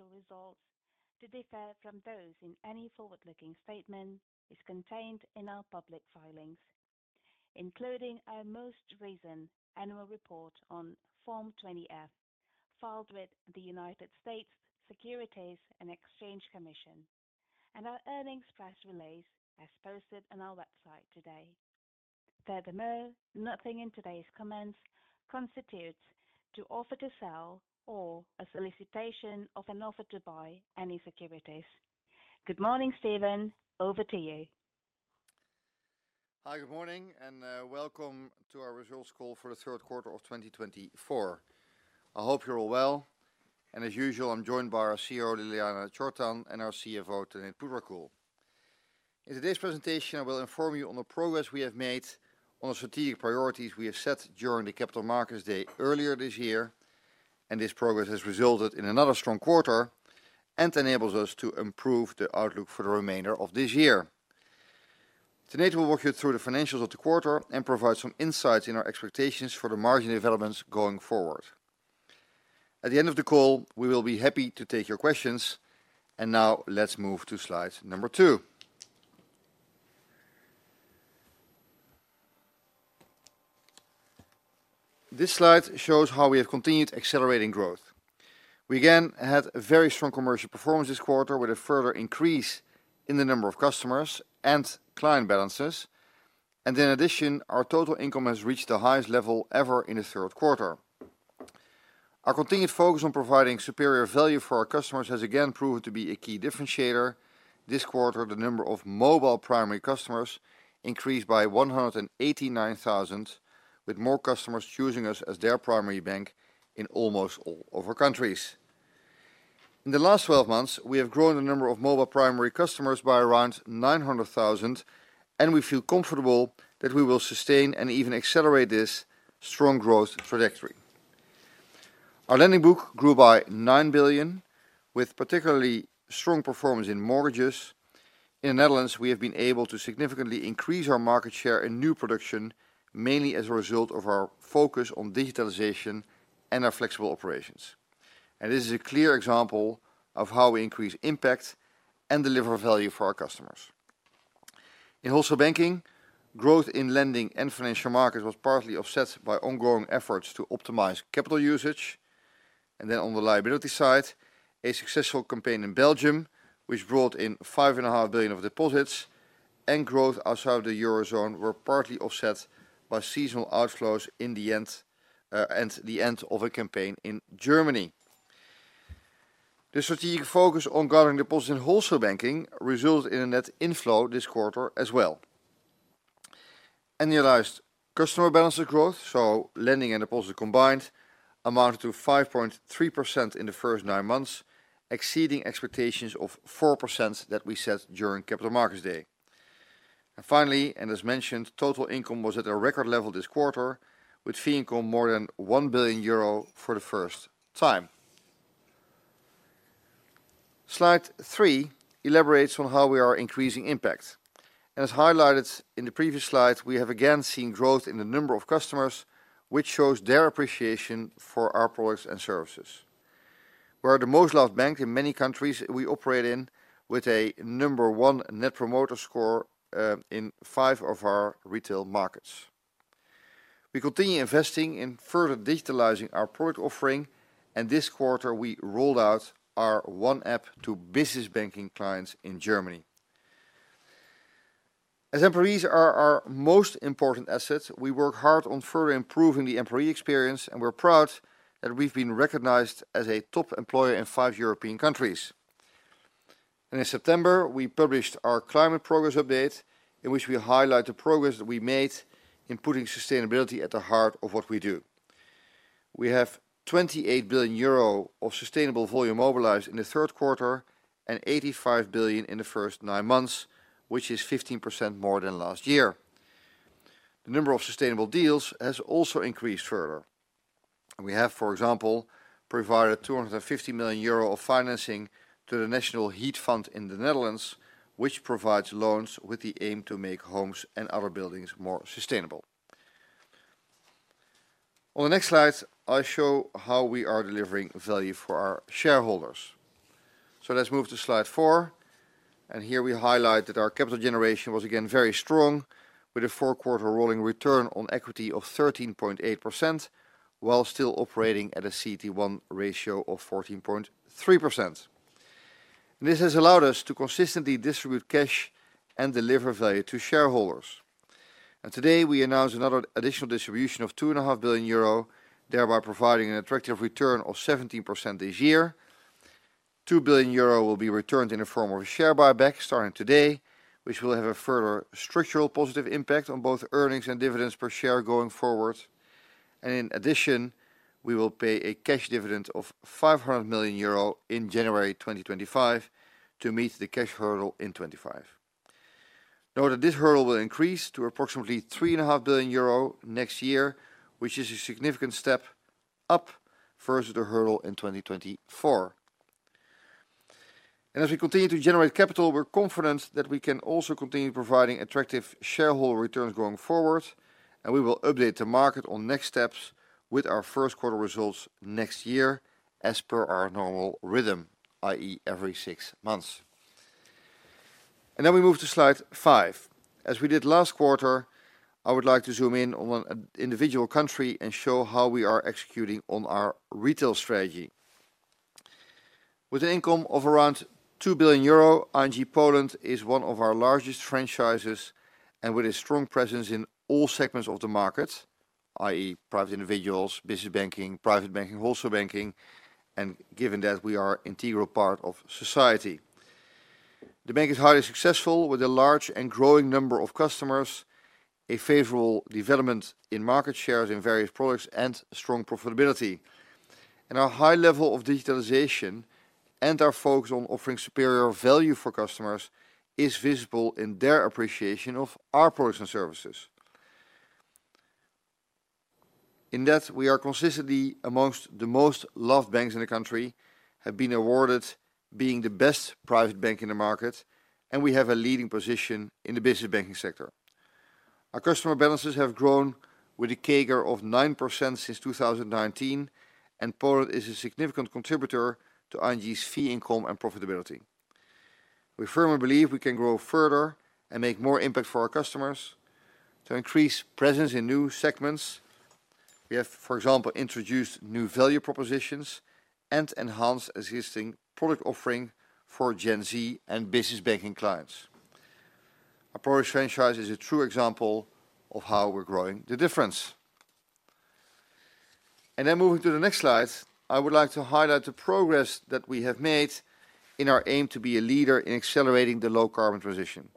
Actual results to differ from those in any forward-looking statement is contained in our public filings, including our most recent annual report on Form 20-F filed with the U.S. Securities and Exchange Commission and our earnings press release as posted on our website today. Furthermore, nothing in today's comments constitutes to offer to sell or a solicitation of an offer to buy any securities. Good morning, Steven, over to you. Hi, good morning and welcome to our results call for the third quarter of 2024. I hope you're all well, and as usual, I'm joined by our CRO, Ljiljana Čortan, and our CFO, Tanate Phutrakul. In today's presentation, I will inform you on the progress we have made on the strategic priorities we have set during the Capital Markets Day earlier this year, and this progress has resulted in another strong quarter and enables us to improve the outlook for the remainder of this year. Tanate will walk you through the financials of the quarter and provide some insights in our expectations for the margin developments going forward. At the end of the call, we will be happy to take your questions, and now let's move to slide number two. This slide shows how we have continued accelerating growth. We again had very strong commercial performance this quarter with a further increase in the number of customers and client balances, and in addition, our total income has reached the highest level ever in the third quarter. Our continued focus on providing superior value for our customers has again proven to be a key differentiator. This quarter, the number of mobile primary customers increased by 189,000, with more customers choosing us as their primary bank in almost all of our countries. In the last 12 months, we have grown the number of mobile primary customers by around 900,000, and we feel comfortable that we will sustain and even accelerate this strong growth trajectory. Our lending book grew by 9 billion, with particularly strong performance in mortgages. In the Netherlands, we have been able to significantly increase our market share in new production, mainly as a result of our focus on digitalization and our flexible operations. This is a clear example of how we increase impact and deliver value for our customers. In Wholesale Banking, growth in lending and Financial Markets was partly offset by ongoing efforts to optimize capital usage. Then on the liability side, a successful campaign in Belgium, which brought in 5.5 billion of deposits, and growth outside of the Eurozone were partly offset by seasonal outflows in the Netherlands and the end of a campaign in Germany. The strategic focus on gathering deposits in Wholesale Banking resulted in a net inflow this quarter as well. The realized customer balance growth, so lending and deposits combined, amounted to 5.3% in the first nine months, exceeding expectations of 4% that we set during Capital Markets Day. Finally, and as mentioned, total income was at a record level this quarter, with fee income more than 1 billion euro for the first time. Slide three elaborates on how we are increasing impact. As highlighted in the previous slide, we have again seen growth in the number of customers, which shows their appreciation for our products and services. We are the most loved bank in many countries we operate in, with a number one Net Promoter Score in five of our retail markets. We continue investing in further digitalizing our product offering, and this quarter we rolled out our One App to Business Banking clients in Germany. As employees are our most important asset, we work hard on further improving the employee experience, and we're proud that we've been recognized as a top employer in five European countries. And in September, we published our Climate Progress Update in which we highlight the progress that we made in putting sustainability at the heart of what we do. We have 28 billion euro of sustainable volume mobilized in the third quarter and 85 billion in the first nine months, which is 15% more than last year. The number of sustainable deals has also increased further. We have, for example, provided 250 million euro of financing to the National Heat Fund in the Netherlands, which provides loans with the aim to make homes and other buildings more sustainable. On the next slide, I show how we are delivering value for our shareholders. So let's move to slide four. Here we highlight that our capital generation was again very strong, with a four-quarter rolling return on equity of 13.8% while still operating at a CET1 ratio of 14.3%. This has allowed us to consistently distribute cash and deliver value to shareholders. Today we announced another additional distribution of 2.5 billion euro, thereby providing an attractive return of 17% this year. 2 billion euro will be returned in the form of a share buyback starting today, which will have a further structural positive impact on both earnings and dividends per share going forward. In addition, we will pay a cash dividend of 500 million euro in January 2025 to meet the cash hurdle in 2025. Note that this hurdle will increase to approximately 3.5 billion euro next year, which is a significant step up versus the hurdle in 2024. As we continue to generate capital, we're confident that we can also continue providing attractive shareholder returns going forward, and we will update the market on next steps with our first quarter results next year as per our normal rhythm, i.e., every six months. We then move to slide five. As we did last quarter, I would like to zoom in on an individual country and show how we are executing on our retail strategy. With an income of around two billion euro, ING Poland is one of our largest franchises and with a strong presence in all segments of the market, i.e., Private Individuals, Business Banking, Private Banking, Wholesale Banking, and given that we are an integral part of society. The bank is highly successful with a large and growing number of customers, a favorable development in market shares in various products, and strong profitability. Our high level of digitalization and our focus on offering superior value for customers is visible in their appreciation of our products and services. In that, we are consistently among the most loved banks in the country, have been awarded being the Best Private Bank in the market, and we have a leading position in the Business Banking sector. Our customer balances have grown with a CAGR of 9% since 2019, and Poland is a significant contributor to ING's fee income and profitability. We firmly believe we can grow further and make more impact for our customers to increase presence in new segments. We have, for example, introduced new value propositions and enhanced existing product offering for Gen Z and Business Banking clients. Our product franchise is a true example of how we're growing the difference. And then moving to the next slide, I would like to highlight the progress that we have made in our aim to be a leader in accelerating the low carbon transition.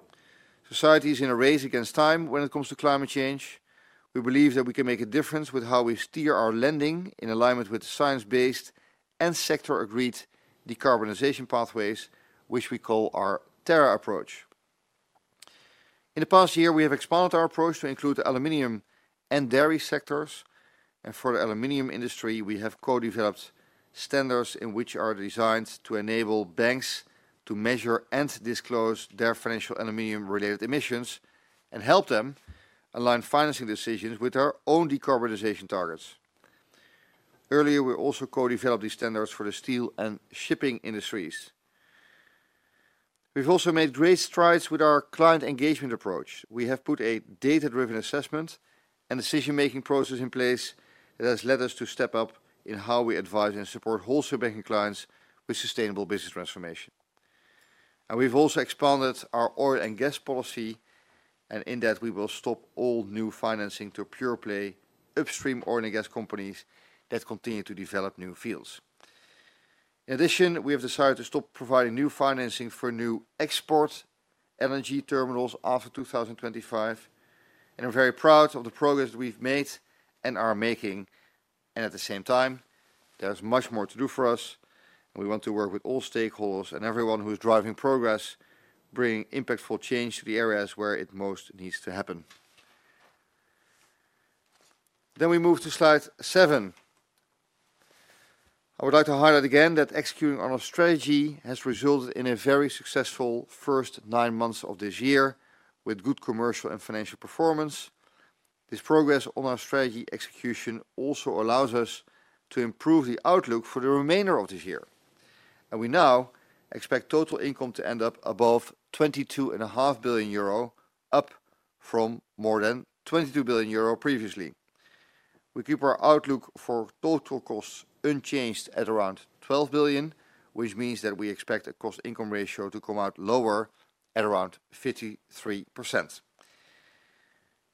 Society is in a race against time when it comes to climate change. We believe that we can make a difference with how we steer our lending in alignment with science-based and sector-agreed decarbonization pathways, which we call our Terra approach. In the past year, we have expanded our approach to include the aluminum and dairy sectors. And for the aluminum industry, we have co-developed standards in which are designed to enable banks to measure and disclose their financial aluminum-related emissions and help them align financing decisions with our own decarbonization targets. Earlier, we also co-developed these standards for the steel and shipping industries. We've also made great strides with our client engagement approach. We have put a data-driven assessment and decision-making process in place that has led us to step up in how we advise and support Wholesale Banking clients with sustainable business transformation, and we've also expanded our oil and gas policy, and in that, we will stop all new financing to pure-play upstream oil and gas companies that continue to develop new fields. In addition, we have decided to stop providing new financing for new export LNG terminals after 2025, and we're very proud of the progress that we've made and are making, and at the same time, there's much more to do for us, and we want to work with all stakeholders and everyone who is driving progress, bringing impactful change to the areas where it most needs to happen, then we move to slide seven. I would like to highlight again that executing on our strategy has resulted in a very successful first nine months of this year with good commercial and financial performance. This progress on our strategy execution also allows us to improve the outlook for the remainder of this year, and we now expect total income to end up above 22.5 billion euro, up from more than 22 billion euro previously. We keep our outlook for total costs unchanged at around 12 billion, which means that we expect a cost-income ratio to come out lower at around 53%.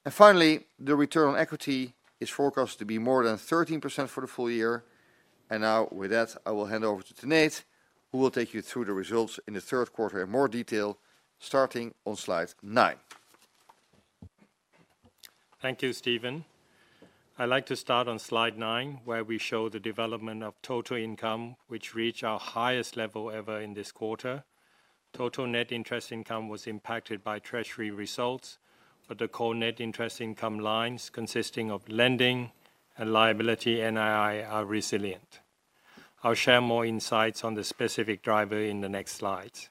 And finally, the return on equity is forecast to be more than 13% for the full year, and now with that, I will hand over to Tanate, who will take you through the results in the third quarter in more detail, starting on slide nine. Thank you, Steven. I'd like to start on slide nine, where we show the development of total income, which reached our highest level ever in this quarter. Total net interest income was impacted by Treasury results, but the core net interest income lines, consisting of lending and liability NII, are resilient. I'll share more insights on the specific driver in the next slides.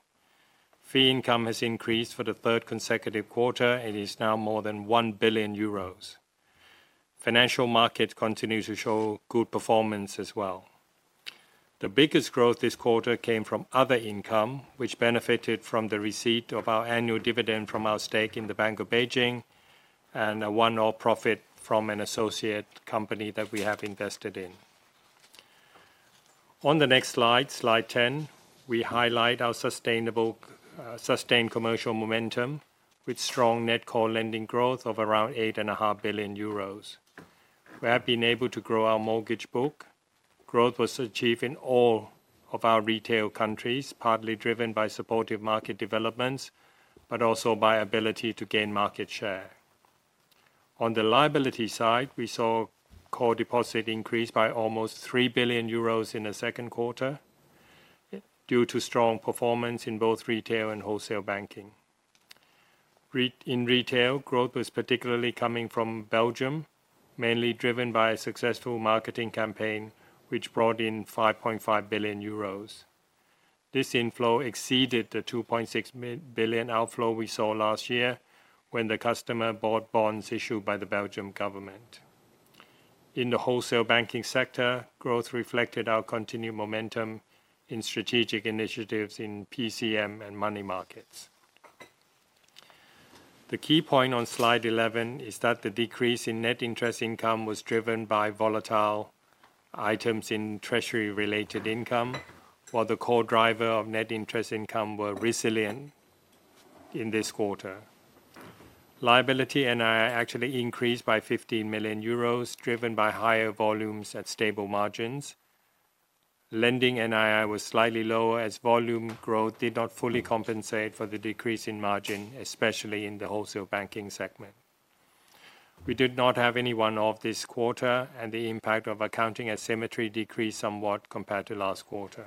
Fee income has increased for the third consecutive quarter and is now more than 1 billion euros. Financial Markets continue to show good performance as well. The biggest growth this quarter came from other income, which benefited from the receipt of our annual dividend from our stake in the Bank of Beijing and a one-off profit from an associate company that we have invested in. On the next slide, slide 10, we highlight our sustained commercial momentum with strong net core lending growth of around 8.5 billion euros. We have been able to grow our mortgage book. Growth was achieved in all of our retail countries, partly driven by supportive market developments, but also by ability to gain market share. On the liability side, we saw core deposits increase by almost 3 billion euros in the second quarter due to strong performance in both retail and Wholesale Banking. In retail, growth was particularly coming from Belgium, mainly driven by a successful marketing campaign, which brought in 5.5 billion euros. This inflow exceeded the 2.6 billion outflow we saw last year when the customers bought bonds issued by the Belgian government. In the Wholesale Banking sector, growth reflected our continued momentum in strategic initiatives in PCM and money markets. The key point on slide 11 is that the decrease in net interest income was driven by volatile items in Treasury-related income, while the core driver of net interest income was resilient in this quarter. Liability NII actually increased by 15 million euros, driven by higher volumes at stable margins. Lending NII was slightly lower as volume growth did not fully compensate for the decrease in margin, especially in the Wholesale Banking segment. We did not have any one-off this quarter, and the impact of accounting asymmetry decreased somewhat compared to last quarter.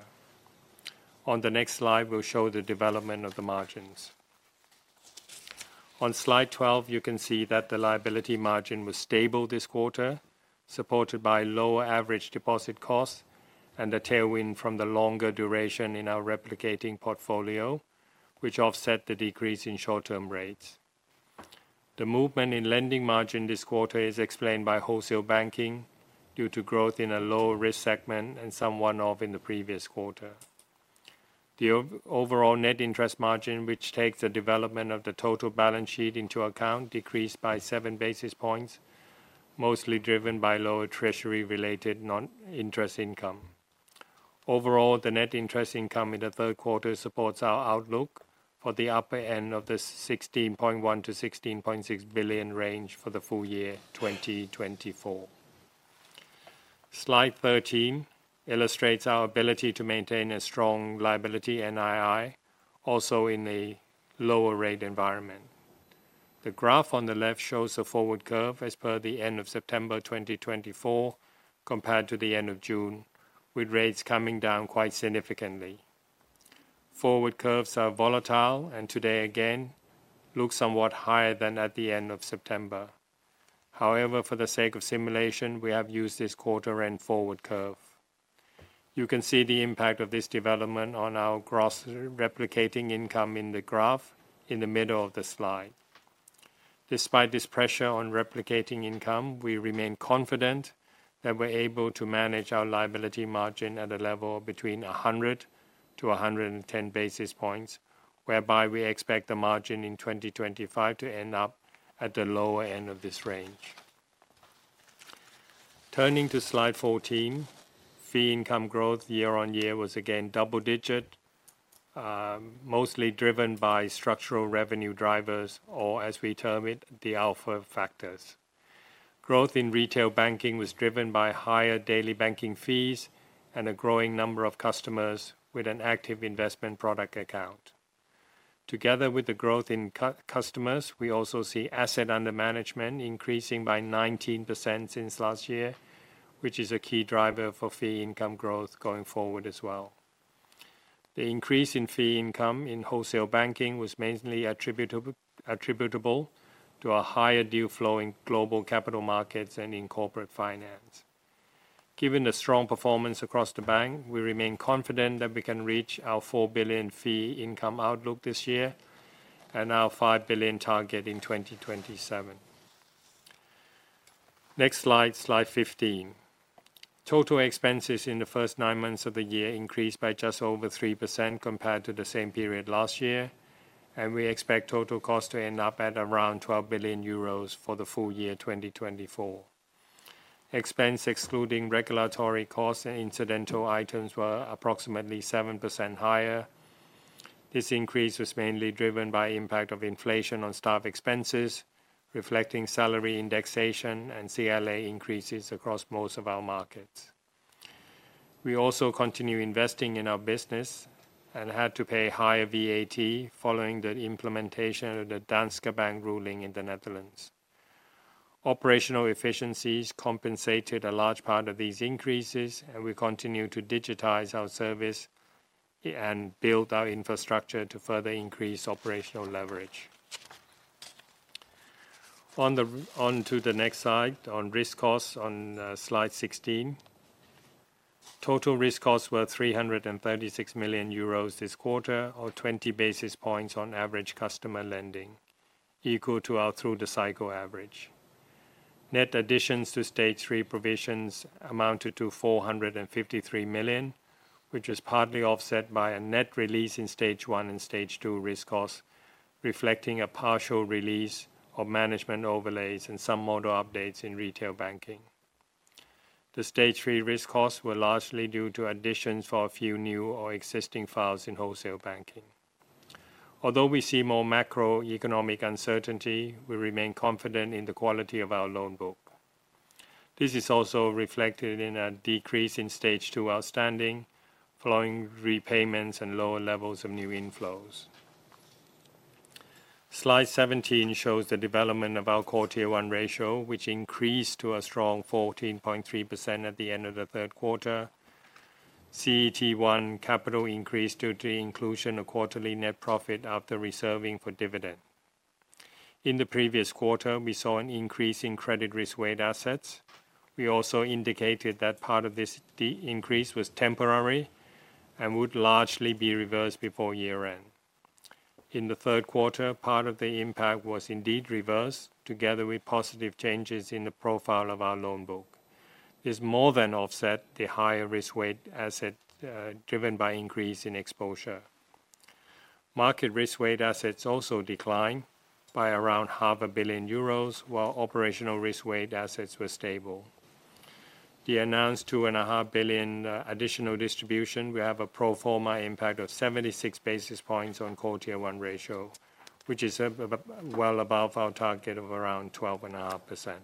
On the next slide, we'll show the development of the margins. On slide 12, you can see that the liability margin was stable this quarter, supported by lower average deposit costs and the tailwind from the longer duration in our replicating portfolio, which offset the decrease in short-term rates. The movement in lending margin this quarter is explained by Wholesale Banking due to growth in a low-risk segment and some one-off in the previous quarter. The overall net interest margin, which takes the development of the total balance sheet into account, decreased by seven basis points, mostly driven by lower Treasury-related non-interest income. Overall, the net interest income in the third quarter supports our outlook for the upper end of the 16.1 billion-16.6 billion range for the full year 2024. Slide 13 illustrates our ability to maintain a strong liability NII, also in a lower rate environment. The graph on the left shows a forward curve as per the end of September 2024 compared to the end of June, with rates coming down quite significantly. Forward curves are volatile and today again look somewhat higher than at the end of September. However, for the sake of simulation, we have used this quarter-end forward curve. You can see the impact of this development on our gross replicating income in the graph in the middle of the slide. Despite this pressure on replicating income, we remain confident that we're able to manage our liability margin at a level between 100 to 110 basis points, whereby we expect the margin in 2025 to end up at the lower end of this range. Turning to slide 14, fee income growth year on year was again double-digit, mostly driven by structural revenue drivers, or as we term it, the alpha factors. Growth in Retail Banking was driven by higher daily banking fees and a growing number of customers with an active investment product account. Together with the growth in customers, we also see asset under management increasing by 19% since last year, which is a key driver for fee income growth going forward as well. The increase in fee income in Wholesale Banking was mainly attributable to a higher deal flow in Global Capital Markets and in Corporate Finance. Given the strong performance across the bank, we remain confident that we can reach our 4 billion fee income outlook this year and our 5 billion target in 2027. Next slide, slide 15. Total expenses in the first nine months of the year increased by just over 3% compared to the same period last year, and we expect total cost to end up at around 12 billion euros for the full year 2024. Expense excluding regulatory costs and incidental items were approximately 7% higher. This increase was mainly driven by the impact of inflation on staff expenses, reflecting salary indexation and CLA increases across most of our markets. We also continue investing in our business and had to pay higher VAT following the implementation of the Danske Bank ruling in the Netherlands. Operational efficiencies compensated a large part of these increases, and we continue to digitize our service and build our infrastructure to further increase operational leverage. On to the next slide on risk costs on slide 16. Total risk costs were 336 million euros this quarter, or 20 basis points on average customer lending, equal to our through-the-cycle average. Net additions to Stage 3 provisions amounted to 453 million, which was partly offset by a net release in Stage 1 and Stage 2 risk costs, reflecting a partial release of management overlays and some model updates in Retail Banking. The Stage 3 risk costs were largely due to additions for a few new or existing files in Wholesale Banking. Although we see more macroeconomic uncertainty, we remain confident in the quality of our loan book. This is also reflected in a decrease in Stage 2 outstanding, following repayments and lower levels of new inflows. Slide 17 shows the development of our CET1 ratio, which increased to a strong 14.3% at the end of the third quarter. CET1 capital increased due to the inclusion of quarterly net profit after reserving for dividend. In the previous quarter, we saw an increase in credit risk-weighted assets. We also indicated that part of this increase was temporary and would largely be reversed before year-end. In the third quarter, part of the impact was indeed reversed, together with positive changes in the profile of our loan book. This more than offset the higher risk-weighted assets driven by increase in exposure. Market risk-weighted assets also declined by around 500 million euros, while operational risk-weighted assets were stable. The announced 2.5 billion additional distribution will have a pro forma impact of 76 basis points on CET1 ratio, which is well above our target of around 12.5%.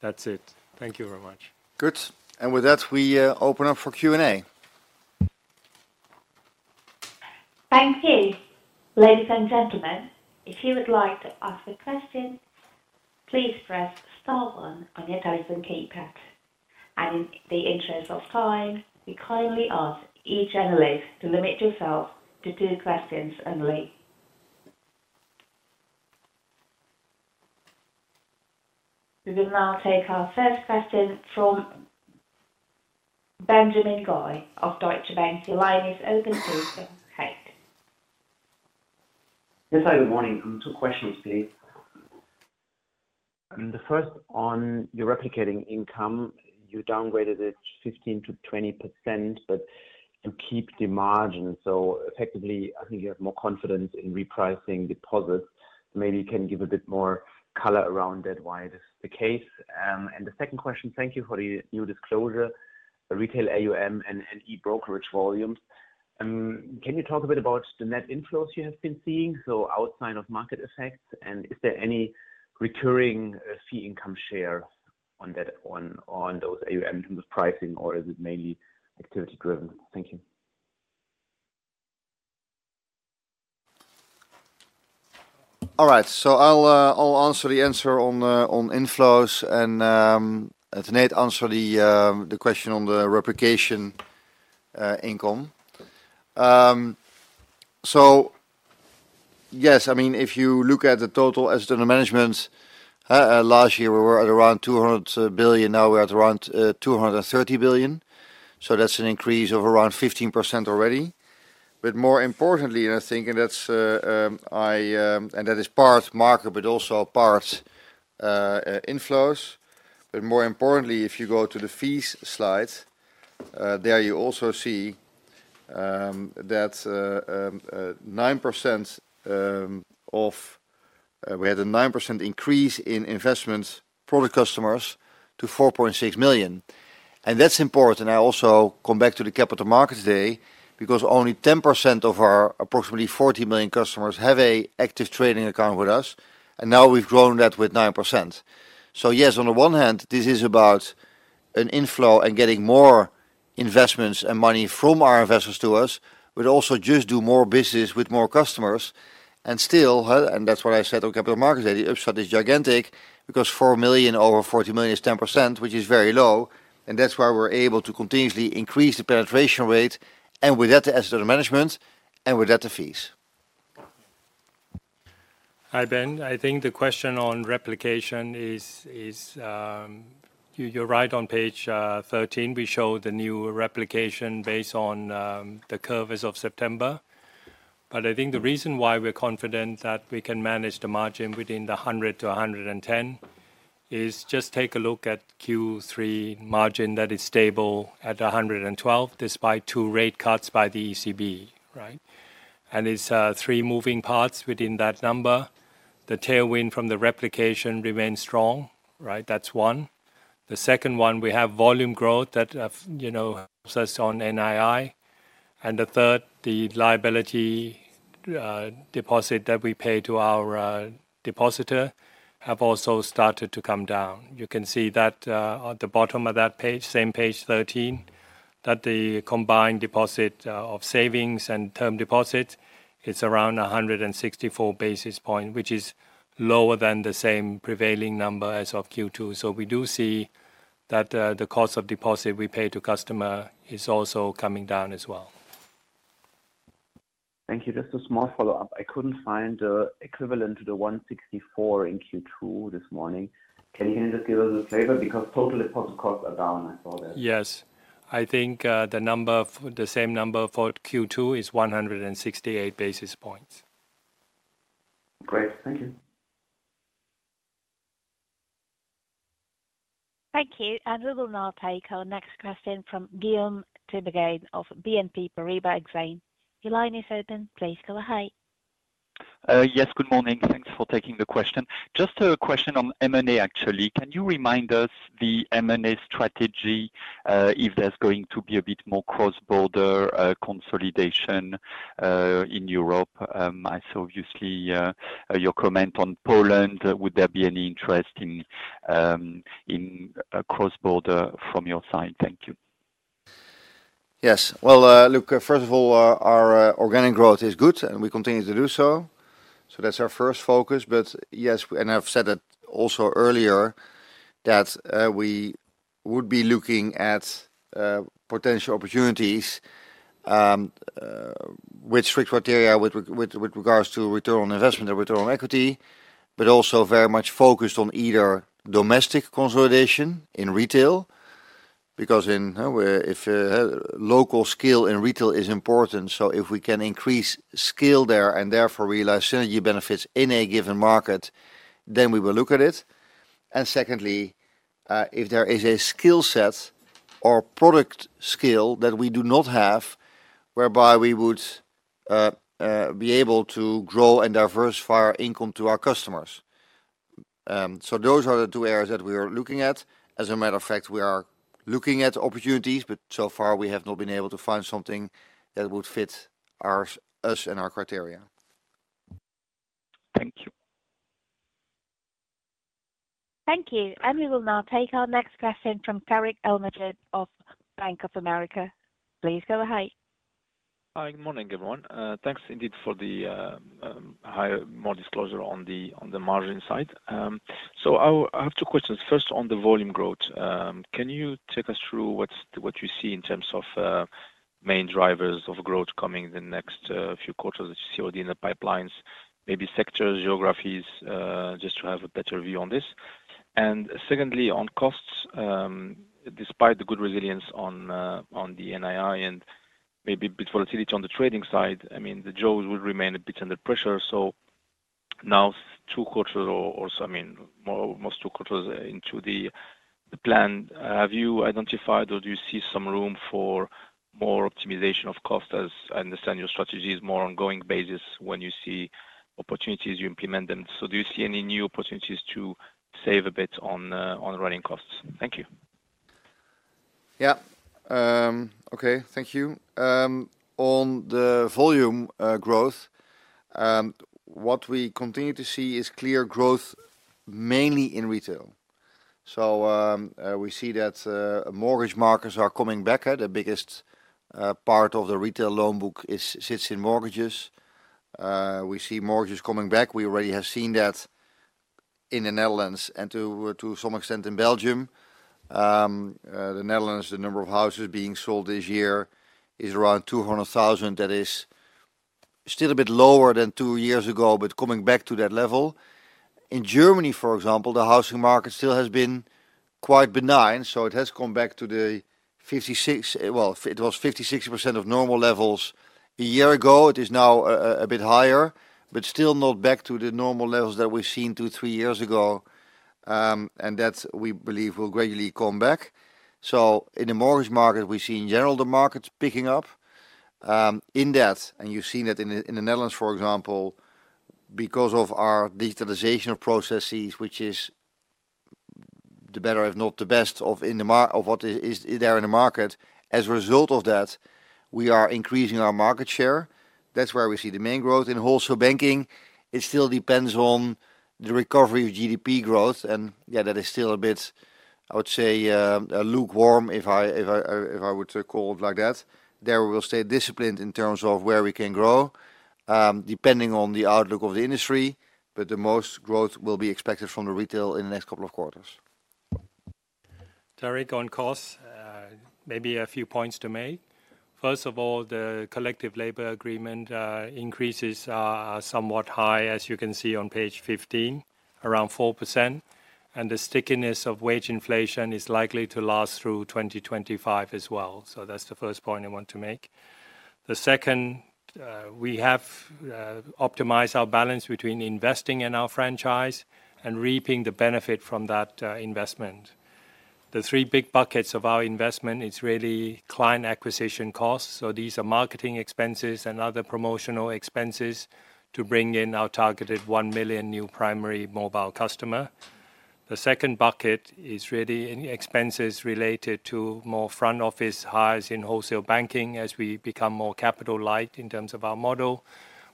That's it. Thank you very much. Good. And with that, we open up for Q&A. Thank you. Ladies and gentlemen, if you would like to ask a question, please press star one on your telephone keypad and in the interest of time, we kindly ask each analyst to limit yourself to two questions only. We will now take our first question from Benjamin Goy of Deutsche Bank. Your line is open. Please go ahead. Yes, hi. Good morning. Two questions, please. The first, on your recurring income, you downgraded it 15%-20%, but you keep the margin. So effectively, I think you have more confidence in repricing deposits. Maybe you can give a bit more color around that, why this is the case. And the second question, thank you for the new disclosure, retail AUM and e-brokerage volumes. Can you talk a bit about the net inflows you have been seeing, so outside of market effects? And is there any recurring fee income share on those AUM pricing, or is it mainly activity-driven? Thank you. All right. So I'll answer the answer on inflows, and Tanate will answer the question on the replication income. So yes, I mean, if you look at the total assets under management last year, we were at around 200 billion. Now we're at around 230 billion. So that's an increase of around 15% already. But more importantly, and I think that is part market, but also part inflows. But more importantly, if you go to the fees slide, there you also see that we had a 9% increase in investment product customers to 4.6 million. And that's important. I also come back to the Capital Markets Day today because only 10% of our approximately 40 million customers have an active trading account with us. And now we've grown that with 9%. So yes, on the one hand, this is about an inflow and getting more investments and money from our investors to us, but also just do more business with more customers. And still, and that's what I said on Capital Markets Day, the upside is gigantic because 4 million over 40 million is 10%, which is very low. And that's why we're able to continuously increase the penetration rate, and with that, the assets under management, and with that, the fees. Hi, Ben. I think the question on replication is you're right on page 13. We showed the new replication based on the curve as of September. But I think the reason why we're confident that we can manage the margin within the 100-110 is just take a look at Q3 margin that is stable at 112 despite two rate cuts by the ECB, right? And it's three moving parts within that number. The tailwind from the replication remains strong, right? That's one. The second one, we have volume growth that helps us on NII. And the third, the liability deposit that we pay to our depositor have also started to come down. You can see that at the bottom of that page, same page 13, that the combined deposit of savings and term deposits, it's around 164 basis points, which is lower than the same prevailing number as of Q2. So we do see that the cost of deposit we pay to customer is also coming down as well. Thank you. Just a small follow-up. I couldn't find the equivalent to the 164 in Q2 this morning. Can you just give us a flavor? Because total deposit costs are down, I saw that. Yes. I think the same number for Q2 is 168 basis points. Great. Thank you. Thank you, and we will now take our next question from Guillaume Tiberghien of BNP Paribas Exane. Your line is open. Please go ahead. Yes, good morning. Thanks for taking the question. Just a question on M&A, actually. Can you remind us the M&A strategy if there's going to be a bit more cross-border consolidation in Europe? I saw obviously your comment on Poland. Would there be any interest in cross-border from your side? Thank you. Yes, well, look, first of all, our organic growth is good, and we continue to do so. So that's our first focus, but yes, and I've said that also earlier, that we would be looking at potential opportunities with strict criteria with regards to return on investment and return on equity, but also very much focused on either domestic consolidation in retail, because if local scale in retail is important, so if we can increase scale there and therefore realize synergy benefits in a given market, then we will look at it. And secondly, if there is a skill set or product scale that we do not have, whereby we would be able to grow and diversify our income to our customers. So those are the two areas that we are looking at. As a matter of fact, we are looking at opportunities, but so far we have not been able to find something that would fit us and our criteria. Thank you. Thank you. We will now take our next question from Tarik El Mejjad of Bank of America. Please go ahead. Hi. Good morning, everyone. Thanks indeed for the higher, more disclosure on the margin side. So I have two questions. First, on the volume growth, can you take us through what you see in terms of main drivers of growth coming in the next few quarters that you see already in the pipelines, maybe sectors, geographies, just to have a better view on this? And secondly, on costs, despite the good resilience on the NII and maybe a bit volatility on the trading side, I mean, the jaws will remain a bit under pressure. So now two quarters or so, I mean, almost two quarters into the plan, have you identified or do you see some room for more optimization of cost as I understand your strategy is more ongoing basis when you see opportunities you implement them? So do you see any new opportunities to save a bit on running costs? Thank you. Yeah. Okay. Thank you. On the volume growth, what we continue to see is clear growth mainly in retail. So we see that mortgage markets are coming back. The biggest part of the retail loan book sits in mortgages. We see mortgages coming back. We already have seen that in the Netherlands and to some extent in Belgium. The Netherlands, the number of houses being sold this year is around 200,000. That is still a bit lower than two years ago, but coming back to that level. In Germany, for example, the housing market still has been quite benign. So it has come back to the 56%. Well, it was 56% of normal levels a year ago. It is now a bit higher, but still not back to the normal levels that we've seen two, three years ago. And that we believe will gradually come back. So in the mortgage market, we see in general the markets picking up in that. And you've seen that in the Netherlands, for example, because of our digitalization of processes, which is the better, if not the best, of what is there in the market. As a result of that, we are increasing our market share. That's where we see the main growth. In Wholesale Banking, it still depends on the recovery of GDP growth. And yeah, that is still a bit, I would say, lukewarm, if I would call it like that. There we will stay disciplined in terms of where we can grow, depending on the outlook of the industry. But the most growth will be expected from the retail in the next couple of quarters. Tarik, on costs, maybe a few points to make. First of all, the collective labor agreement increases are somewhat high, as you can see on page 15, around 4%. The stickiness of wage inflation is likely to last through 2025 as well. That's the first point I want to make. The second, we have optimized our balance between investing in our franchise and reaping the benefit from that investment. The three big buckets of our investment, it's really client acquisition costs. These are marketing expenses and other promotional expenses to bring in our targeted 1 million new primary mobile customer. The second bucket is really expenses related to more front office hires in Wholesale Banking as we become more capital light in terms of our model.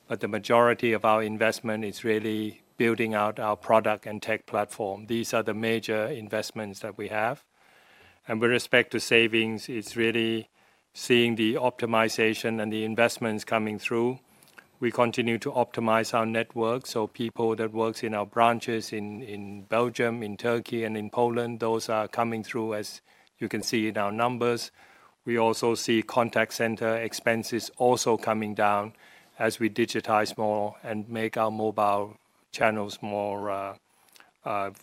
The majority of our investment is really building out our product and tech platform. These are the major investments that we have. And with respect to savings, it's really seeing the optimization and the investments coming through. We continue to optimize our network. So people that work in our branches in Belgium, in Turkey, and in Poland, those are coming through, as you can see in our numbers. We also see contact center expenses also coming down as we digitize more and make our mobile channels more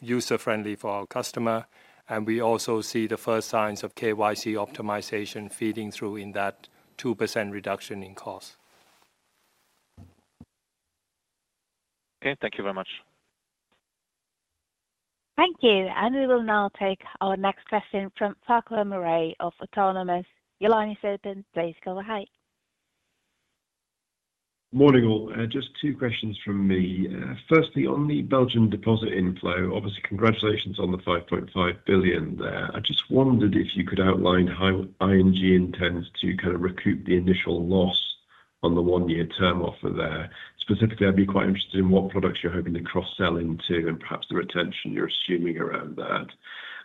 user-friendly for our customer. And we also see the first signs of KYC optimization feeding through in that 2% reduction in cost. Okay. Thank you very much. Thank you, and we will now take our next question from Farquhar Murray of Autonomous. Your line is open. Please go ahead. Morning, all. Just two questions from me. Firstly, on the Belgian deposit inflow, obviously, congratulations on the 5.5 billion there. I just wondered if you could outline how ING intends to kind of recoup the initial loss on the one-year term offer there. Specifically, I'd be quite interested in what products you're hoping to cross-sell into and perhaps the retention you're assuming around that.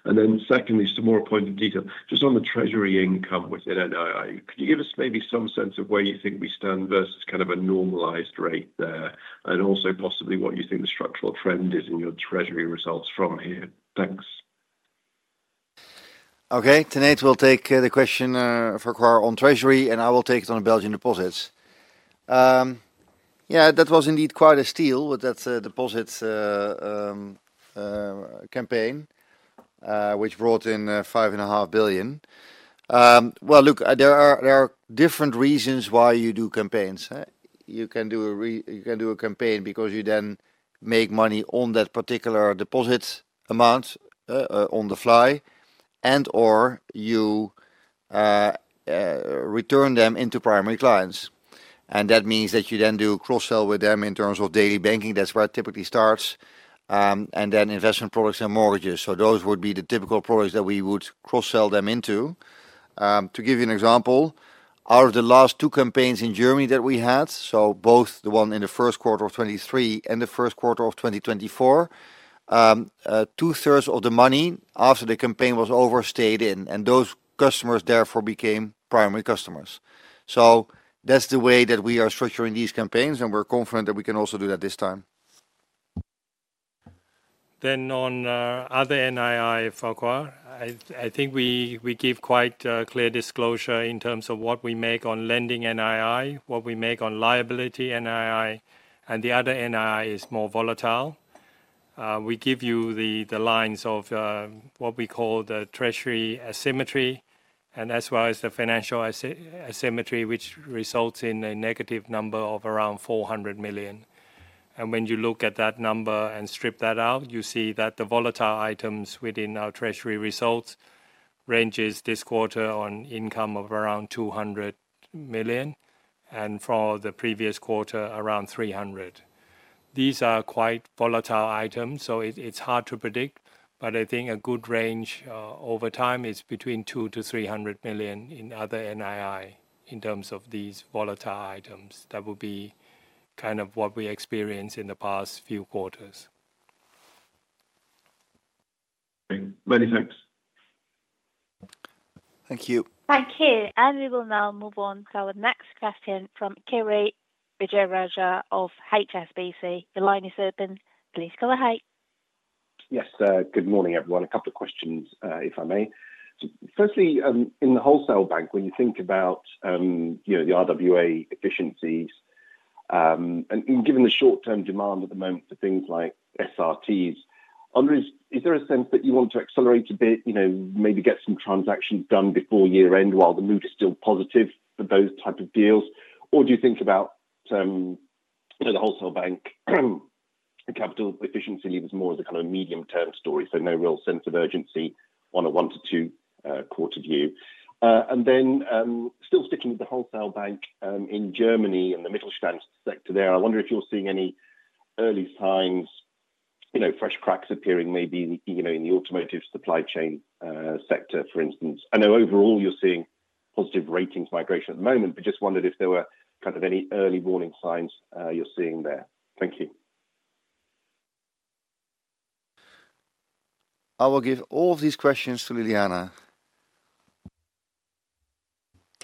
And then secondly, some more pointed detail. Just on the Treasury income within NII, could you give us maybe some sense of where you think we stand versus kind of a normalized rate there? And also possibly what you think the structural trend is in your Treasury results from here. Thanks. Okay. Tanate will take the question there for on Treasury, and I will take it on Belgian deposits. Yeah, that was indeed quite a steal with that deposit campaign, which brought in 5.5 billion. Well, look, there are different reasons why you do campaigns. You can do a campaign because you then make money on that particular deposit amount on the fly, and/or you return them into primary clients. And that means that you then do cross-sell with them in terms of daily banking. That's where it typically starts. And then investment products and mortgages. So those would be the typical products that we would cross-sell them into. To give you an example, out of the last two campaigns in Germany that we had, so both the one in the first quarter of 2023 and the first quarter of 2024, two-thirds of the money after the campaign was overstayed in. Those customers therefore became primary customers. That's the way that we are structuring these campaigns, and we're confident that we can also do that this time. On other NII, Farquhar, I think we give quite clear disclosure in terms of what we make on lending NII, what we make on liability NII, and the other NII is more volatile. We give you the lines of what we call the Treasury asymmetry and as well as the financial asymmetry, which results in a negative number of around 400 million. When you look at that number and strip that out, you see that the volatile items within our Treasury results ranges this quarter on income of around 200 million and for the previous quarter, around 300 million. These are quite volatile items, so it's hard to predict, but I think a good range over time is between 2 million to 300 million in other NII in terms of these volatile items. That would be kind of what we experienced in the past few quarters. Thanks. Many thanks. Thank you. Thank you. And we will now move on to our next question from Kiri Vijayarajah of HSBC. Your line is open. Please go ahead. Yes. Good morning, everyone. A couple of questions, if I may. Firstly, in the wholesale bank, when you think about the RWA efficiencies, and given the short-term demand at the moment for things like SRTs, is there a sense that you want to accelerate a bit, maybe get some transactions done before year-end while the mood is still positive for those types of deals? Or do you think about the wholesale bank capital efficiency leaves more as a kind of medium-term story? So no real sense of urgency on a one to two-quarter view. And then still sticking with the wholesale bank in Germany and the Mittelstand sector there, I wonder if you're seeing any early signs, fresh cracks appearing maybe in the automotive supply chain sector, for instance. I know overall you're seeing positive ratings migration at the moment, but just wondered if there were kind of any early warning signs you're seeing there? Thank you. I will give all of these questions to Ljiljana.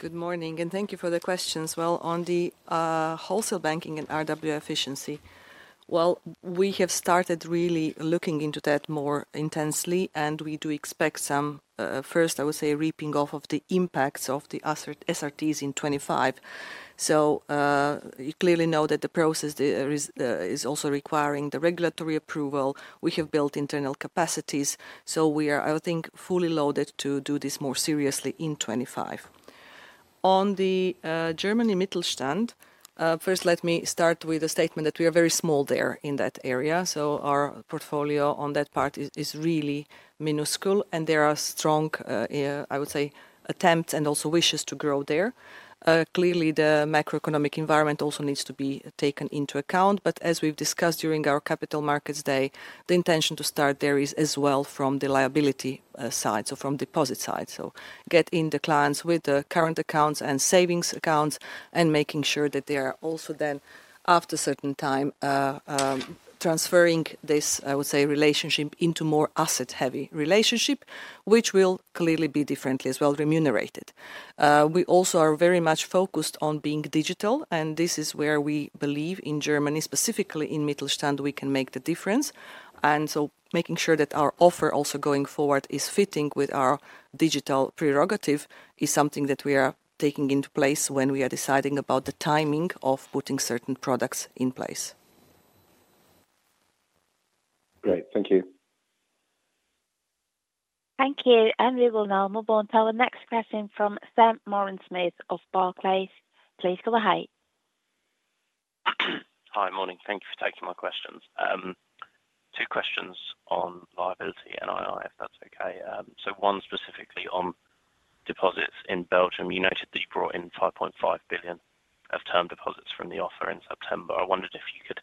Good morning, and thank you for the questions. Well, on the Wholesale Banking and RWA efficiency, well, we have started really looking into that more intensely, and we do expect some, first, I would say, reaping off of the impacts of the SRTs in 2025. So you clearly know that the process is also requiring the regulatory approval. We have built internal capacities, so we are, I think, fully loaded to do this more seriously in 2025. On the Germany Mittelstand, first, let me start with a statement that we are very small there in that area. So our portfolio on that part is really minuscule, and there are strong, I would say, attempts and also wishes to grow there. Clearly, the macroeconomic environment also needs to be taken into account. but as we've discussed during our Capital Markets Day, the intention to start there is as well from the liability side, so from the deposit side. So getting the clients with the current accounts and savings accounts and making sure that they are also then, after a certain time, transferring this, I would say, relationship into a more asset-heavy relationship, which will clearly be differently as well remunerated. We also are very much focused on being digital, and this is where we believe in Germany, specifically in Mittelstand, we can make the difference. and so making sure that our offer also going forward is fitting with our digital prerogative is something that we are taking into place when we are deciding about the timing of putting certain products in place. Great. Thank you. Thank you. We will now move on to our next question from Sam Moran-Smyth of Barclays. Please go ahead. Hi, morning. Thank you for taking my questions. Two questions on liability NII, if that's okay. So one specifically on deposits in Belgium. You noted that you brought in 5.5 billion of term deposits from the offer in September. I wondered if you could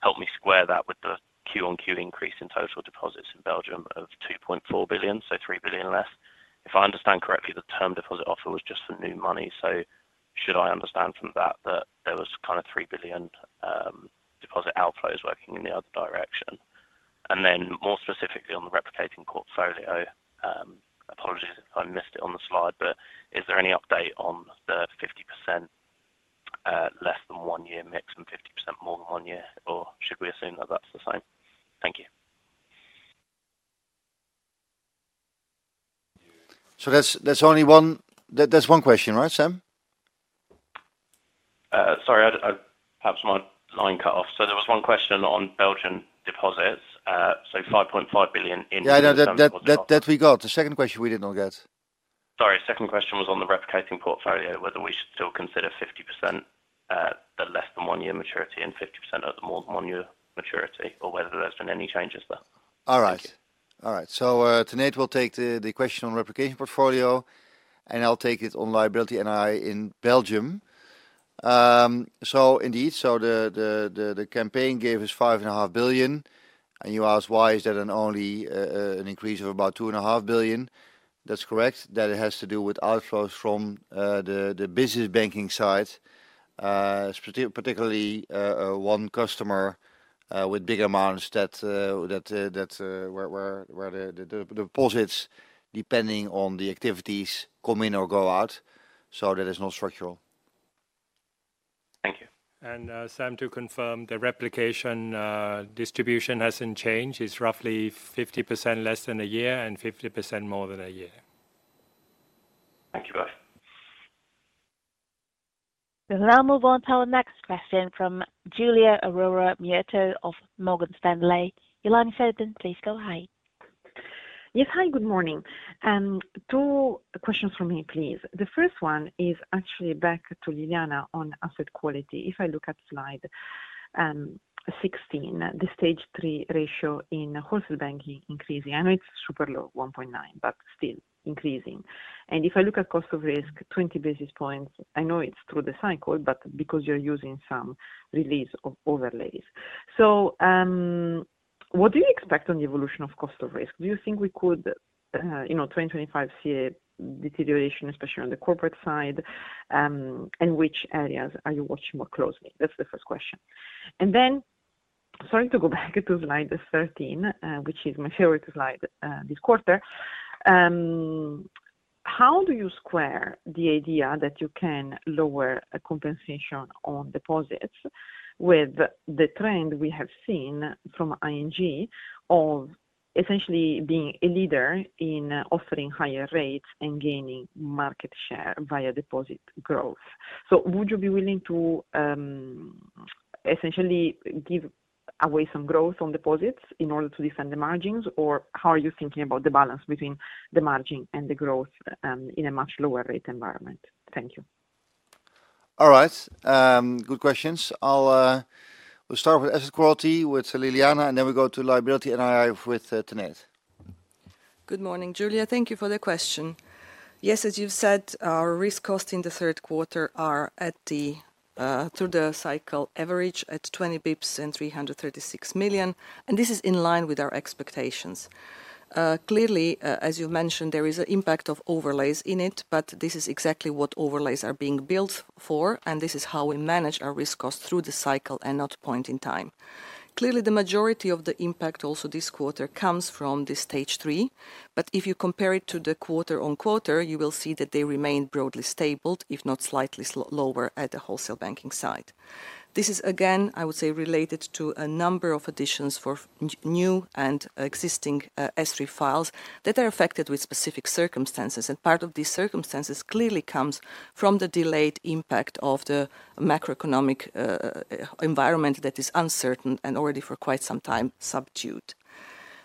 help me square that with the QoQ increase in total deposits in Belgium of 2.4 billion, so 3 billion less. If I understand correctly, the term deposit offer was just for new money. So should I understand from that that there was kind of 3 billion deposit outflows working in the other direction? And then more specifically on the replicating portfolio, apologies if I missed it on the slide, but is there any update on the 50% less than one-year mix and 50% more than one year, or should we assume that that's the same? Thank you. So that's only one question, right, Sam? Sorry, perhaps my line cut off. So there was one question on Belgian deposits, so 5.5 billion in term deposits. Yeah, no, that we got. The second question we did not get. Sorry, second question was on the replicating portfolio, whether we should still consider 50% the less than one-year maturity and 50% of the more than one-year maturity, or whether there's been any changes there. All right. All right. So Tanate will take the question on replication portfolio, and I'll take it on liability NII in Belgium. So indeed, so the campaign gave us 5.5 billion, and you asked why is that only an increase of about 2.5 billion. That's correct. That has to do with outflows from the Business Banking side, particularly one customer with big amounts where the deposits, depending on the activities, come in or go out. So that is not structural. Thank you. Sam, to confirm, the replication distribution hasn't changed. It's roughly 50% less than a year and 50% more than a year. Thank you both. We will now move on to our next question from Giulia Aurora Miotto of Morgan Stanley. Your line is open, please go ahead. Yes, hi, good morning. Two questions for me, please. The first one is actually back to Ljiljana on asset quality. If I look at slide 16, the Stage 3 ratio in wholesale banking increasing. I know it's super low, 1.9, but still increasing. And if I look at cost of risk, 20 basis points, I know it's through the cycle, but because you're using some release of overlays. So what do you expect on the evolution of cost of risk? Do you think we could, in 2025, see a deterioration, especially on the corporate side, and which areas are you watching more closely? That's the first question. And then, sorry to go back to slide 13, which is my favorite slide this quarter, how do you square the idea that you can lower compensation on deposits with the trend we have seen from ING of essentially being a leader in offering higher rates and gaining market share via deposit growth? So would you be willing to essentially give away some growth on deposits in order to defend the margins, or how are you thinking about the balance between the margin and the growth in a much lower rate environment? Thank you. All right. Good questions. I'll start with asset quality with Ljiljana, and then we go to liability NII with Tanate. Good morning, Giulia. Thank you for the question. Yes, as you've said, our risk costs in the third quarter are at the through the cycle average at 20 basis points and 336 million, and this is in line with our expectations. Clearly, as you mentioned, there is an impact of overlays in it, but this is exactly what overlays are being built for, and this is how we manage our risk costs through the cycle and not point in time. Clearly, the majority of the impact also this quarter comes from the Stage 3, but if you compare it to the quarter-on-quarter, you will see that they remain broadly stable, if not slightly lower at the Wholesale Banking side. This is, again, I would say, related to a number of additions for new and existing Stage 3 files that are affected with specific circumstances, and part of these circumstances clearly comes from the delayed impact of the macroeconomic environment that is uncertain and already for quite some time subdued.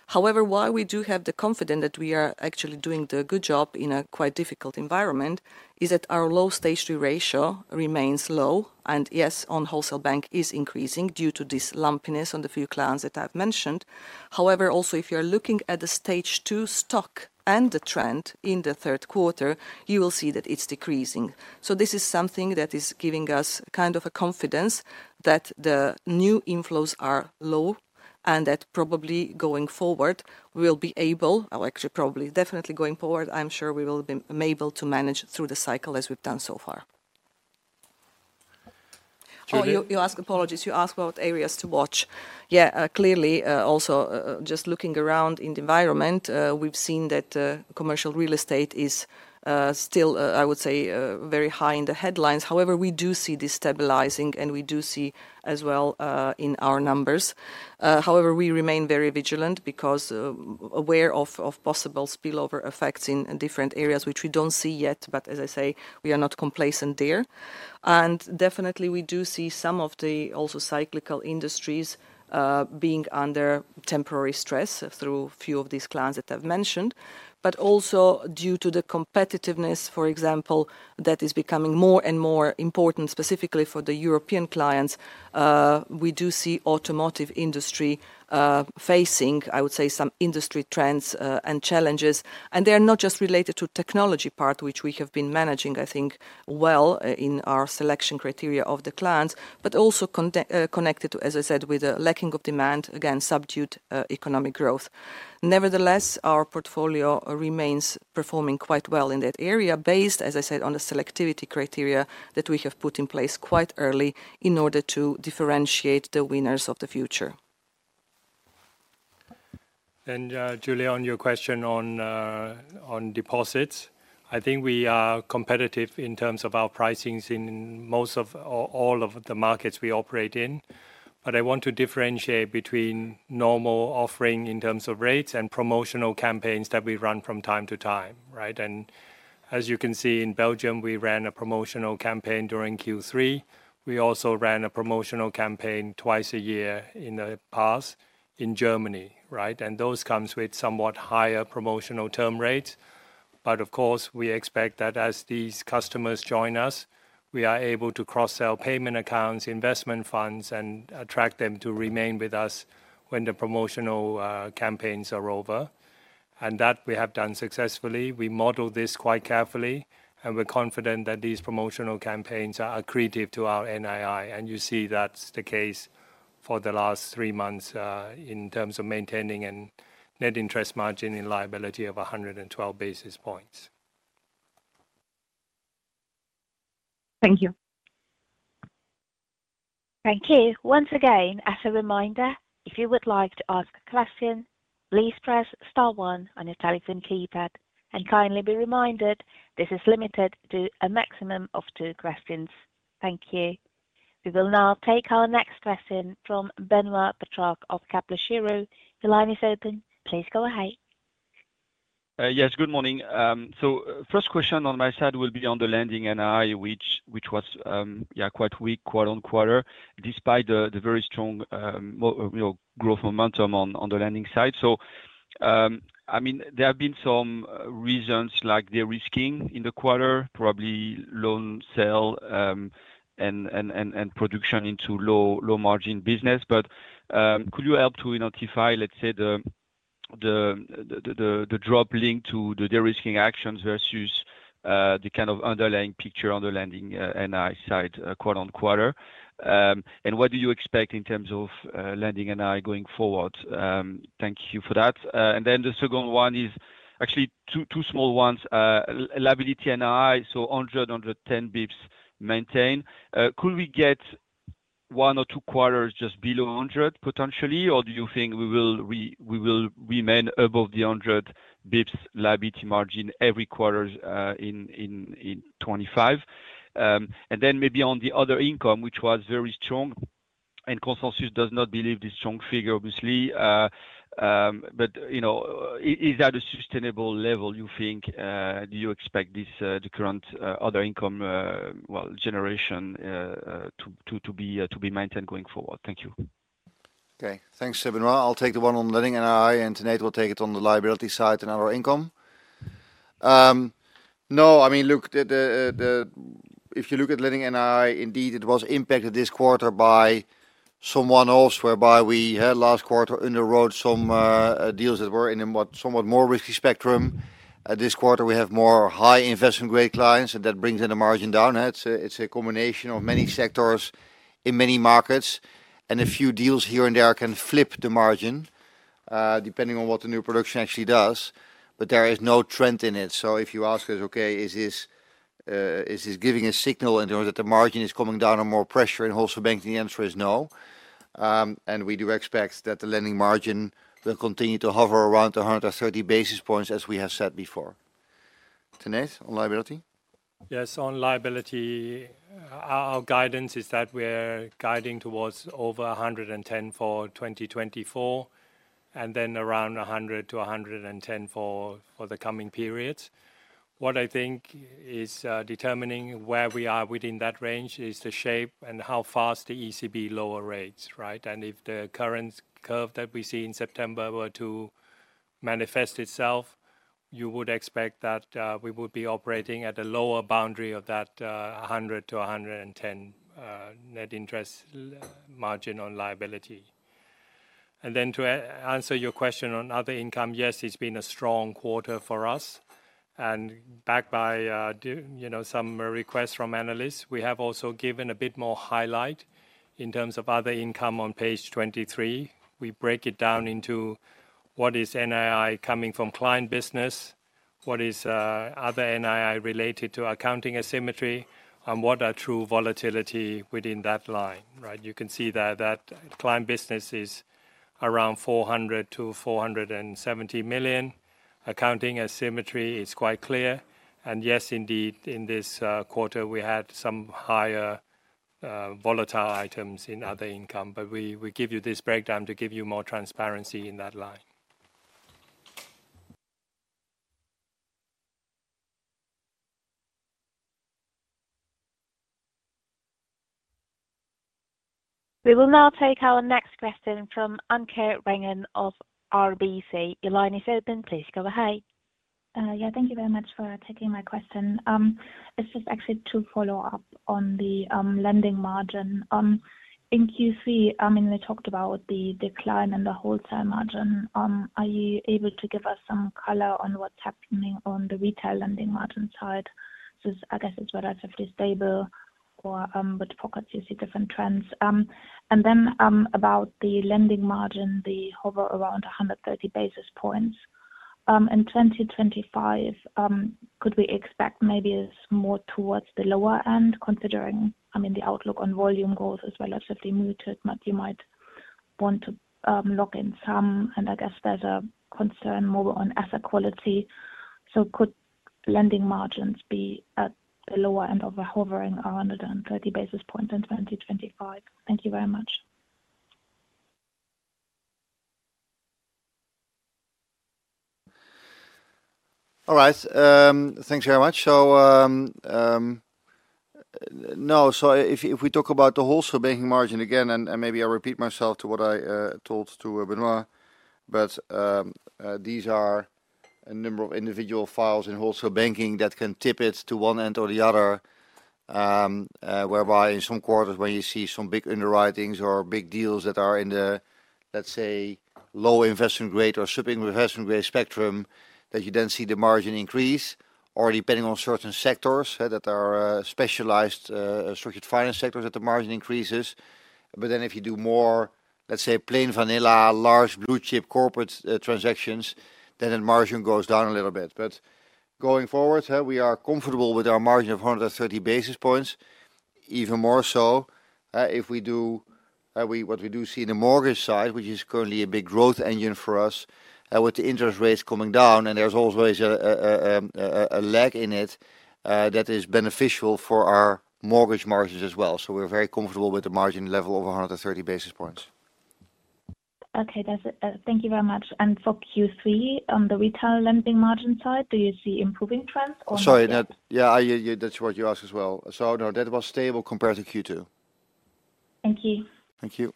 However, while we do have the confidence that we are actually doing a good job in a quite difficult environment, is that our low Stage 3 ratio remains low, and yes, our Wholesale Banking is increasing due to this lumpiness on the few clients that I've mentioned. However, also, if you're looking at the Stage 2 stock and the trend in the third quarter, you will see that it's decreasing. This is something that is giving us kind of a confidence that the new inflows are low and that probably going forward we will be able, or actually probably definitely going forward, I'm sure we will be able to manage through the cycle as we've done so far. You asked, apologies. You asked about areas to watch. Yeah, clearly, also just looking around in the environment, we've seen that commercial real estate is still, I would say, very high in the headlines. However, we do see this stabilizing, and we do see as well in our numbers. However, we remain very vigilant because aware of possible spillover effects in different areas, which we don't see yet, but as I say, we are not complacent there. Definitely, we do see some of the also cyclical industries being under temporary stress through a few of these clients that I've mentioned, but also due to the competitiveness, for example, that is becoming more and more important specifically for the European clients. We do see the automotive industry facing, I would say, some industry trends and challenges. They are not just related to the technology part, which we have been managing, I think, well in our selection criteria of the clients, but also connected to, as I said, with the lacking of demand, again, subdued economic growth. Nevertheless, our portfolio remains performing quite well in that area based, as I said, on the selectivity criteria that we have put in place quite early in order to differentiate the winners of the future. Giulia, on your question on deposits, I think we are competitive in terms of our pricings in all of the markets we operate in, but I want to differentiate between normal offering in terms of rates and promotional campaigns that we run from time to time, right? And as you can see, in Belgium, we ran a promotional campaign during Q3. We also ran a promotional campaign twice a year in the past in Germany, right? And those come with somewhat higher promotional term rates. But of course, we expect that as these customers join us, we are able to cross-sell payment accounts, investment funds, and attract them to remain with us when the promotional campaigns are over. And that we have done successfully. We model this quite carefully, and we're confident that these promotional campaigns are accretive to our NII. You see that's the case for the last three months in terms of maintaining a net interest margin in liability of 112 basis points. Thank you. Thank you. Once again, as a reminder, if you would like to ask a question, please press star one on your telephone keypad and kindly be reminded this is limited to a maximum of two questions. Thank you. We will now take our next question from Benoit Petrarque of Kepler Cheuvreux. Your line is open. Please go ahead. Yes, good morning. So first question on my side will be on the lending NII, which was quite weak quarter-on-quarter despite the very strong growth momentum on the lending side. So I mean, there have been some reasons like the de-risking in the quarter, probably loan sale and production into low-margin business. But could you help to identify, let's say, the drop linked to the de-risking actions versus the kind of underlying picture on the lending NII side quarter-on-quarter? And what do you expect in terms of lending NII going forward? Thank you for that. And then the second one is actually two small ones. Liability NII, so 100, 110 basis points maintain. Could we get one or two quarters just below 100 potentially, or do you think we will remain above the 100 basis points liability margin every quarter in 2025? And then maybe on the other income, which was very strong, and consensus does not believe this strong figure, obviously. But is that a sustainable level you think? Do you expect the current other income, well, generation to be maintained going forward? Thank you. Okay. Thanks, Benjamin Goy. I'll take the one on lending NII, and Tanate will take it on the liability side and other income. No, I mean, look, if you look at lending NII, indeed, it was impacted this quarter by some one-offs whereby we had last quarter underwrote some deals that were in a somewhat more risky spectrum. This quarter, we have more high investment-grade clients, and that brings in the margin down. It's a combination of many sectors in many markets, and a few deals here and there can flip the margin depending on what the new production actually does. But there is no trend in it. So if you ask us, okay, is this giving a signal in terms that the margin is coming down on more pressure in Wholesale Banking? The answer is no. We do expect that the lending margin will continue to hover around 130 basis points, as we have said before. Tanate on liability? Yes, on liability, our guidance is that we're guiding towards over 110 for 2024 and then around 100-110 for the coming periods. What I think is determining where we are within that range is the shape and how fast the ECB lowers rates, right? If the current curve that we see in September were to manifest itself, you would expect that we would be operating at a lower boundary of that 100-110 net interest margin on liability. To answer your question on other income, yes, it's been a strong quarter for us. Backed by some requests from analysts, we have also given a bit more highlight in terms of other income on page 23. We break it down into what is NII coming from client business, what is other NII related to accounting asymmetry, and what are true volatility within that line, right? You can see that client business is around 400-470 million. Accounting asymmetry is quite clear, and yes, indeed, in this quarter, we had some higher volatile items in other income, but we give you this breakdown to give you more transparency in that line. We will now take our next question from Anke Reingen of RBC. Your line is open. Please go ahead. Yeah, thank you very much for taking my question. It's just actually to follow up on the lending margin. In Q3, I mean, we talked about the decline in the wholesale margin. Are you able to give us some color on what's happening on the retail lending margin side? So I guess it's relatively stable, but forecasts you see different trends. And then about the lending margin, they hover around 130 basis points. In 2025, could we expect maybe more towards the lower end, considering, I mean, the outlook on volume growth is relatively muted, but you might want to lock in some. And I guess there's a concern more on asset quality. So could lending margins be at the lower end of hovering around 130 basis points in 2025? Thank you very much. All right. Thanks very much. So no, so if we talk about the Wholesale Banking margin again, and maybe I repeat myself to what I told to Benoit, but these are a number of individual files in Wholesale Banking that can tip it to one end or the other, whereby in some quarters, when you see some big underwritings or big deals that are in the, let's say, low investment grade or sub-investment grade spectrum, that you then see the margin increase, or depending on certain sectors that are specialized structured finance sectors that the margin increases. But then if you do more, let's say, plain vanilla, large blue chip corporate transactions, then the margin goes down a little bit. Going forward, we are comfortable with our margin of 130 basis points, even more so if we do what we do see in the mortgage side, which is currently a big growth engine for us, with the interest rates coming down, and there's always a lag in it that is beneficial for our mortgage margins as well. We're very comfortable with the margin level of 130 basis points. Okay. Thank you very much, and for Q3, on the retail lending margin side, do you see improving trends or? Sorry, yeah, that's what you asked as well, so no, that was stable compared to Q2. Thank you. Thank you.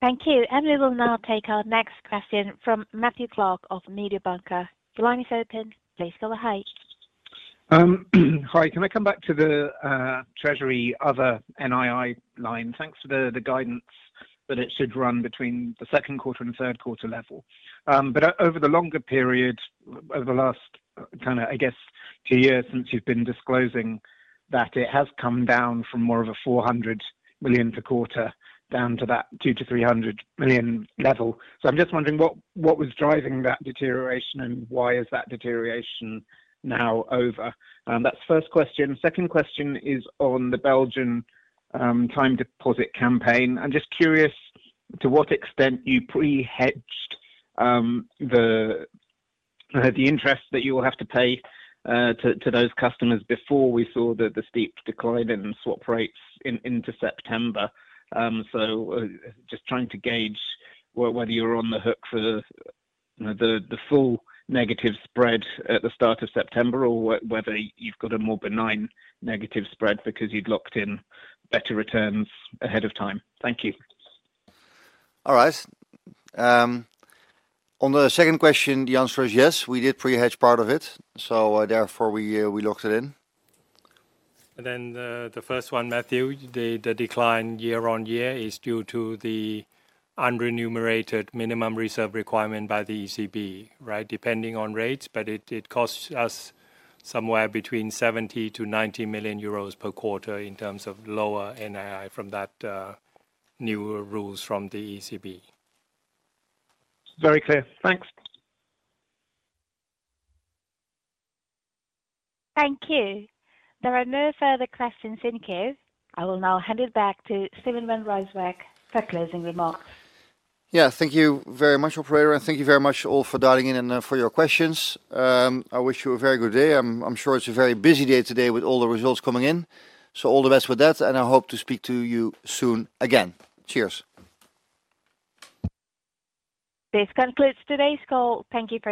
Thank you, and we will now take our next question from Matthew Clark of Mediobanca. Your line is open. Please go ahead. Hi. Can I come back to the Treasury other NII line? Thanks for the guidance that it should run between the second quarter and third quarter level. But over the longer period, over the last kind of, I guess, two years since you've been disclosing that, it has come down from more of a 400 million per quarter down to that 200-300 million level. So I'm just wondering what was driving that deterioration and why is that deterioration now over? That's the first question. Second question is on the Belgian time deposit campaign. I'm just curious to what extent you pre-hedged the interest that you will have to pay to those customers before we saw the steep decline in swap rates into September. So just trying to gauge whether you're on the hook for the full negative spread at the start of September or whether you've got a more benign negative spread because you'd locked in better returns ahead of time. Thank you. All right. On the second question, the answer is yes. We did pre-hedge part of it, so therefore we locked it in. And then the first one, Matthew, the decline year-on-year is due to the unremunerated minimum reserve requirement by the ECB, right, depending on rates, but it costs us somewhere between 70 million to 90 million euros per quarter in terms of lower NII from that new rules from the ECB. Very clear. Thanks. Thank you. There are no further questions in queue. I will now hand it back to Steven van Rijswijk for closing remarks. Yeah, thank you very much, operator, and thank you very much all for dialing in and for your questions. I wish you a very good day. I'm sure it's a very busy day today with all the results coming in. So all the best with that, and I hope to speak to you soon again. Cheers. This concludes today's call. Thank you for.